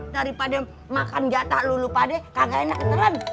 daripada makan jatah lulu pade kagak enak telen